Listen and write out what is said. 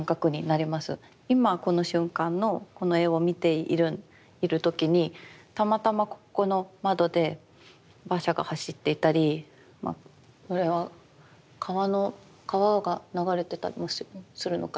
今この瞬間のこの絵を見ている時にたまたまここの窓で馬車が走っていたりこれは川が流れてたりするのかな？